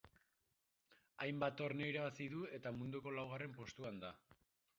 Hainbat torneo irabazi du eta munduko laugarren postuan da.